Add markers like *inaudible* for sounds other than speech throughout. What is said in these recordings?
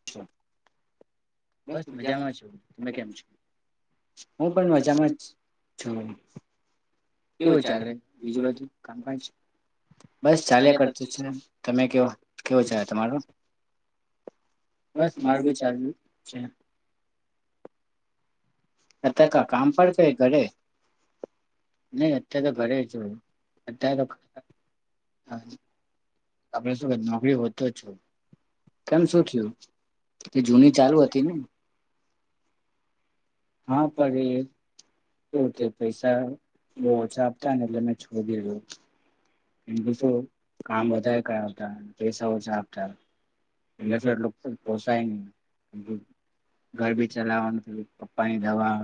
અચ્ા બસ મજામાં છો તમે કેમ છો હું પણ મજામાં જ છું કેવું ચાલે બસ ચાલે્યા કરત છે તમે કેવ કેવો છે તમારો બસ મારું બી ચાલુ છે અત્યારે તો કામ કરશે ઘરે નહી અત્યારે તો ઘરે જોું અત્યારે તો હા આપણે શું નોકરી હોતો છું કેમ શું થયું એ જૂની ચાલુ હતી ને હા પ શું છે પૈસા બહ ઓછા આપતા ને એટલે મેં છોડી દીધો કેમ શ કામ બધા કરાવતા પૈસા ઓછા આપતા એટલે શ એટ પોસાય નહીમ ઘર બી ચલાવાનું પપ્પાની દવા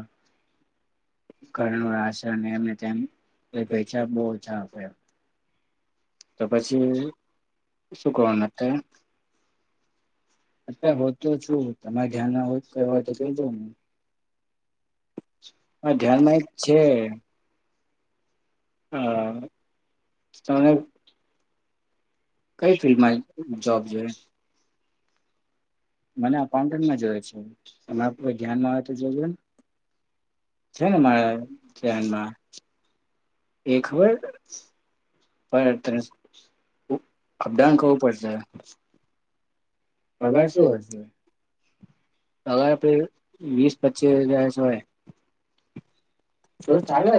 ઘશે અને એમને તેમ પૈસાા બહ ઓછા આપે તો પછી શું કરવાનું અ હો તો છું તમારે ધ્યાનમાં હોય કયો હોય તોટલ જોને હ ધ્યાનમાંય છે હ તમને કઈ ફિલ્ડમાં જોબ જો. મને અઉન્ટન્ટમાં જોય છે ત આપું ધ્યાનમાં આવે તો જોજોને છે ને એ ખબર પણત અપડાઉન કરવું પડશે. પગાર શું હશે? અગાર વીસ પચીસ હજાર સોય. તો ચાલે.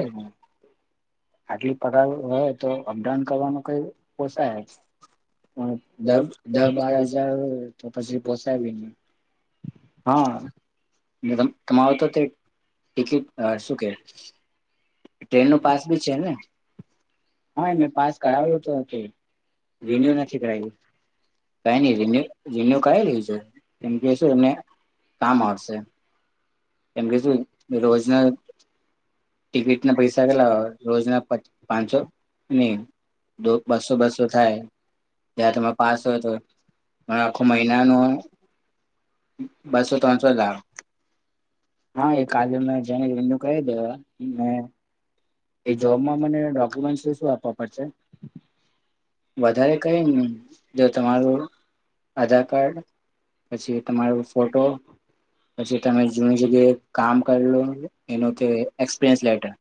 આટલી પગાર હોય તો અપડાઉન કરવાનું કઈ પોસાય દ બાર હજાર તો પછી પોસાયી નને હા તમારું તો તે ટિકિટ શું કે ટ્રેન ન પાસ બી છે ને ક ન રન્યુ છે એમ કે કામ આવશે. એમ કે શું રોજના ટિકિટના પૈસા કેટલા રોજના પાંચસો નહી બસો બસો થાય જં તમે પાસ હોય તો આખો મહિના ન બસો ત્રણસો લાવો. હા એ કાલે મે જેને એ કહી દેવા મે એ જોબમાં મને ડોક્યુમેન્ટ શું આપવા પડશે વધારે ક કે તમારું આધાર કાર્ડ પછી તમાર ફોટો પછી. જગએ કામ કરલ એનો કે એક્સપરયન્સ લેટર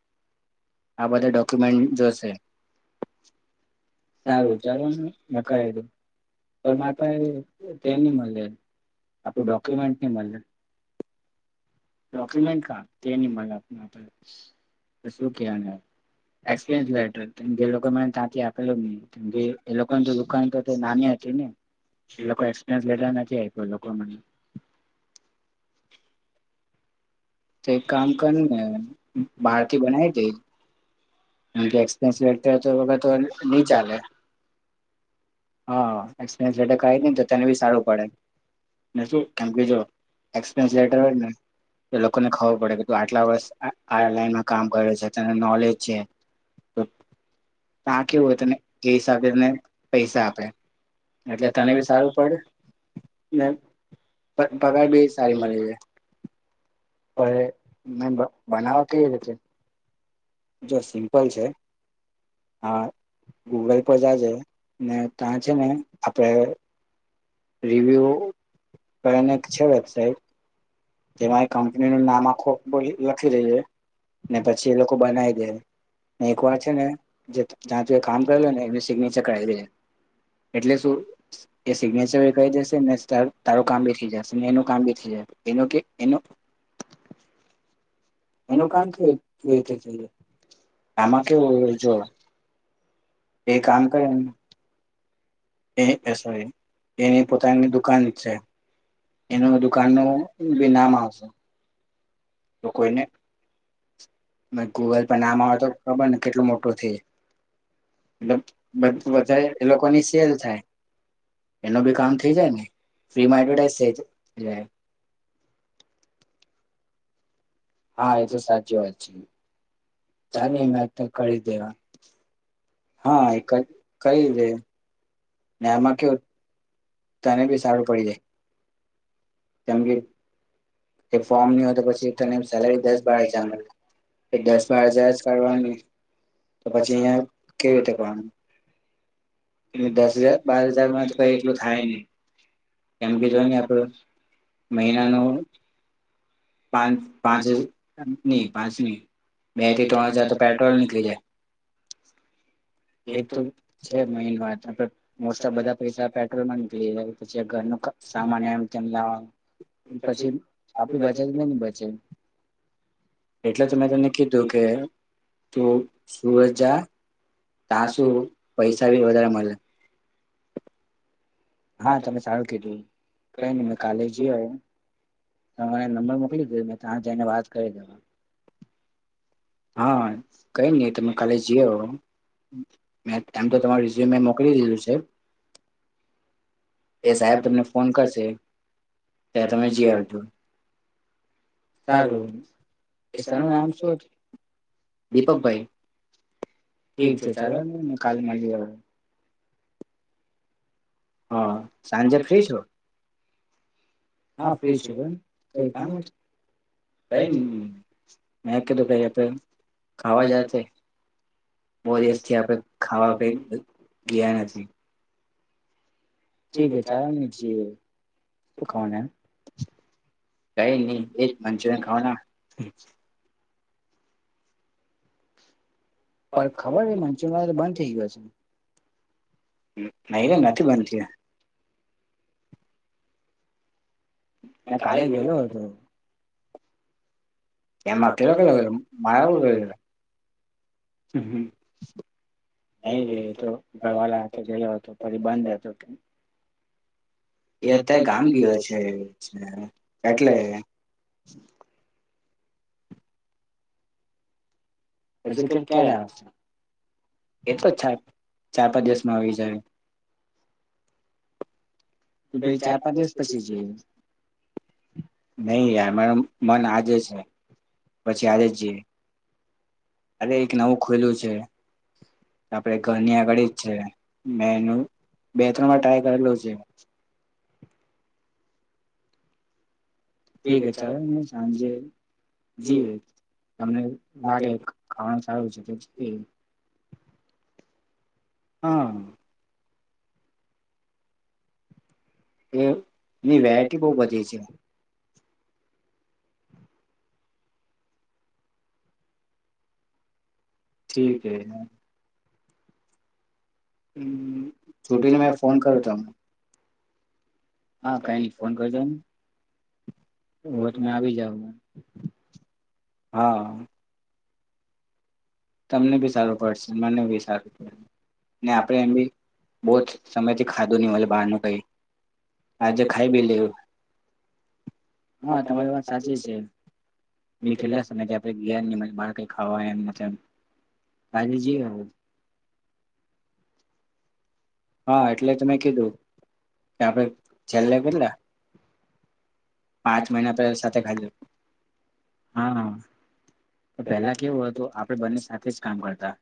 આ બધા ડોક્યુમેન્ટ જોશે. સારું ચાલોને મે ક દું પણ મારે પાસે તે નહી મળે આપણું ડોક્યુમેન્ટ નહી મળે. ડોક્યુમેન્ટ કા તે નિમલે શું કે આને એપ લેટરકે લોકો મને ત્યાંથી આપેલો નહીમકે એ લોકોની તો દુકાન તો નાની હતી ને એ લોકો એક્સપયસ લેટર નથી આપ્યો લોકો મને તો એક કામ કરને બાારકી બનાવી હતી. મપ લેટર નહી ચાલે હાપટ ક તો તેને બી સારું પડે શું કેમકે જોપેટર હોયને તો લોકોને ખબર પડે કે ત આટલા વર્ષ આ લાઈનમાં કામ કર્યો છે નોલેજ છે. તો ત્યા કેવું હોય તને એ હિસાબે તને પૈસા આપે એટલે તને બી સારું પડ ને પગાર બી સારી મળે છે પ મે બનાવા કઈ રીતે જય શ્રી કોલ છે હા ગૂગલ પર જજે ને ત્યાં છે ને આપણેે રિવ્યુ પહેનેક છે વેબસાઇટ જેમાં એ કંપની નું નામ આખો લખી લેે ને પછી એ લોકો બનાવી દે એક વાર છે ને જેં ત એ કામ કર લ ને એનું સિગ્નેચર કરાવી દે એટલે શું એ સિગ્ને કહી દશે ને તારું કામ બી થઈ જશે ને એનું કામ બી થઈ જશે એનું કે એનો એનું ક કે આમાં કેવું જો એ કામ ક એ સોરી એની પોતાની દુકાન છે એનું દુકાન ન બી નામ આવશે તો કોઈને ગૂગલ પર નામ આવે તો ખબર ને કેટલું મોટું થ મલબ વધારે એ લોકોની સેલ એ ભી કામ થ જાયને ફ્રીમાંડવટ હા એ તો સાચી વાત છે ચાલી મે તો કરી દેવા હા એક કઈ છે મા કે તને બી સારું પડી જાય તંગે એ ફોર્મ ની હોય તો પછી તને સેલેરી દસ બાર હજાર મળે દસ બાર હજાર જ કરવાની તો પછી અહિયાં કેવી રીતે કરવાનું દસ હજાર બાર હજારમાં તો કઈ એટલું થાય નહી એમ કીધું ન આપડું મહિનાનું પાં પાંચ ની પાંચની બે થી ત્રણ હજાર તો પેટ્રોલ નીકળી જાય એક તો છે મહિનો મોસ્ટ ઓફ બધા પૈસા પેટ્રોલમાં નીકળી જાય પછી ઘરનું સામાન એમ તેમ લાવવાનું પછી આપડી બચે નઈ બચે એટલે તો મેને કીધું કે તું સુરત જા ત્યા શું પૈસા ભી વધારે મળે હા તમે સારું કીધું કઈ નહી મે કાલે જિયાવું તમારે નંબર મોકલી દ મે ત્યાં જઈને વાત કરી દેવા હા કઈ નહી તમે કાલી જિયાવો મે એમ તો તમારુ રિઝ્યુમ મોકલી દીધું છે એ સાહેબ તમને ફોન કરશે ત્યારે તમે જીયાવો છો સારુ એ સરનું નામ શું હતું દીપકભાઈ ઠીક છે ચાલો ને કાલ મળી આવું હા સાંજે ફ્રી છો હા ફ્રી છે કઈ કામ હતું ભાઈ મે કીધું આપણે ખાવા જતે બો દિવસથી આપણે ખાવા ગીયા નથી ઠીક હૈ ચાલ ને જઈએ હું ખાવાના? કઈ નહી એજ મંચુરિયન ખાવા ના પણ ખબર હે મંચુરિયન *unintelligible* બંધ થઇ ગયો છે નહીરે નથી બંધ થયો મેં કાલે ગયલો હતો એમ એકેલો કેલોલો ગયેલો મારે વગર *unintelligible* ઘર વાલા હાતે ગયેલો પાર ફરી બંધ હતું કે એ અત્યારે ગામ કયો છે એટલે હ કે ક્યારે એતો ચાર પાંચ દિવસમાં આવી જહે ચ પાંચ દિવસ પછીજયે નહી યાર મારુ મન આજે છે પછી આજે જ જીયે અરે એક નવું ખુલુંયુ છે આપડે ઘરની અગળી જ છે મેં એનું બે ત્રણ વાર ટ્રાય કરેલું છે ઠીક હ ચાલો હ સાંજે જીએ તમને એવું લાગે ખાવાનું સારું છે તો જ હા *unintelligible* એની વેરાયટી બો બધી વધી છે ઠીક હે હમ્મ છુટીને મેં ફોન કરુ તમને હા, કાંઈની ફોન કરજોને. એવું હોય તો મે આવી જાવ હા. તમને બી સારુ પડશે મને બી સારુ ને આપણે એમ બી બોજ સમયથી ખાધુંની મલે બહારનુ કઈ આજે ખાય લેયે હા, તમારી વાત સાચી છે મે કેટલા સમયથી આપણે ગીયાની મલે બાર કઈ ખાવા એમ મતલબ કાલે જીયે હવે ત હા, એટલે જ મેં કીધુ કે આપણે છેલ્લે કેટલા પાંચ મહિના પહેલા સાથે ખાયલુ, હા. કે પહેલા કેવું હતું આપણે બંને સાથે જ કામ કરતા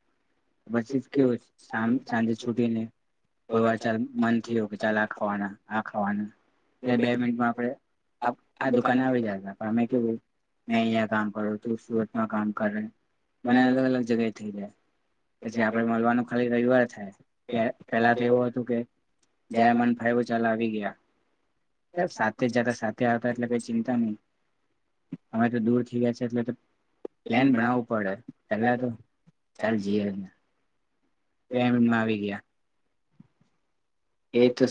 બસ એજ કેવુ સામ સાંજે છૂટીને કોઈવાર ચાલ મન થીયુ કે ચાલ આ ખાવાના આ ખાવાના એટલે બે મિનિટમાં આપડે આપ આ દુકાને આવી જતા પણ અમે કેવુ મે અહિયા કામ કરું તું સુરતમાં કામ કરે બને અલગ અલગ જગ્યાએ થઇ જાય. પછી આપણેે મળવાનું ખાલી રવિવારે થાય કે પેલા તો એવું હતું કે જયારે મન ફાયવું ચાલ આવી ગ્યા. સબ સાથે જતા સાથ હતા એટલે કોઈ ચિંતા નહી હવે તો દૂર થીયા છે, એટલે તો પ્લેન બનાવું પડે પેલા તો ચાલ જઈએ ટ્રેનમાં આવી ગીયા એ તો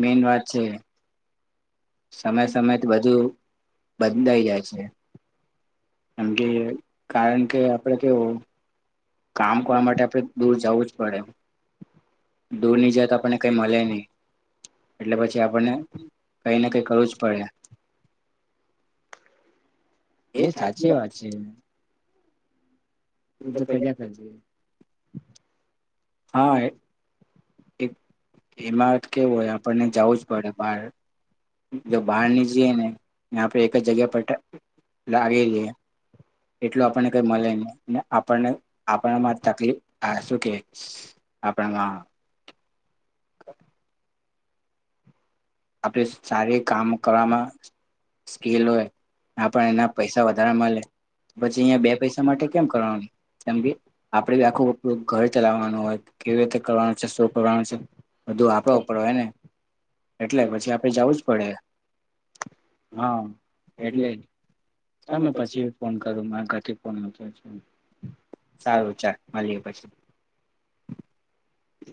મેન વાત છે. સમય સમય તો બધું બદલાઈ જાય છે. કેમ કે, કારણ કે આપડે કેવું કામ કરવા માટે આપણે દૂર જાવું જ પડે. દૂરની જાત આપણને કઈ મલે નહી, એટલે પછી આપણને કઈને કઈ કરવું જ પડે. એ સાચી વાત છે. એ જો કર્યા કર જે હા, એક એક એમાં કેવું હોય આપણને જાવું જ પડે બાર જો બહારની જઈએને ને આપણે એક જ જગ્યા પર તા લાગી રીઈએ એટલું આપણને કઈ મલે ની આપણને આપણામાં તકલીફ આ શુ કે આપણામા *unintelligible* આપણી સારી કામ કરવામાં સ્કીલ હોય આપણે એના પૈસા વધારે મલે પછી અહીયાં બે પૈસા માટે કેમ કરવાનું કેમ કે આપણે બી આખું ઘર ચલાવવાનું હોય કેવી રીતે કરવાનું છે શું કરવાનું છે બધું આપણા ઉપર હોય ને પ આપે જવું જ પડે હા એટલે ચ મે પછી ફોન કર્યો માતિ ફોનતો સારું ચાર મળીએ પછી હ